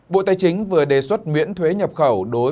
bộ tài chính vừa đề xuất miễn thuế nhập khẩu